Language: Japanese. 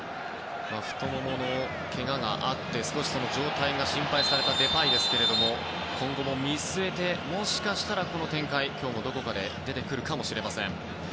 太もものけががあって少し状態が心配されたデパイですが今後も見据えてもしかしたら、この展開今日もどこかで出てくるかもしれません。